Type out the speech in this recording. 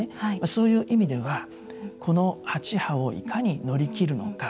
そういう意味ではこの８波をいかに乗り切るのか。